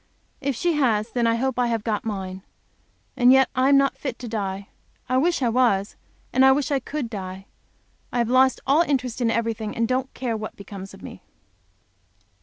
If she has, then I hope I have got mine. And yet I am not fit to die. I wish I was, and I wish I could die. I have lost all interest in everything, and don't care what becomes of me.